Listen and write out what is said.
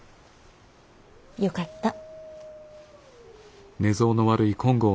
よかった。